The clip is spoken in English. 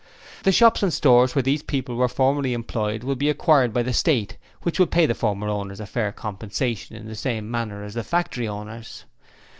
The shops and stores where these people were formerly employed will be acquired by the State, which will pay the former owners fair compensation in the same manner as to the factory owners.